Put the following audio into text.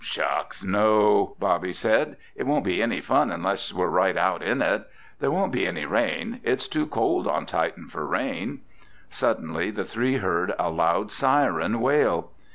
"Shucks, no!" Bobby said. "It won't be any fun unless we're right out in it! There won't be any rain. It's too cold on Titan for rain." Suddenly the three heard a loud siren wail.